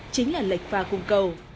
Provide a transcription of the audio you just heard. chính là lệch pha cung cầu